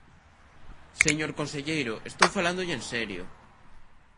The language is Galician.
Señor conselleiro, estou falándolle en serio.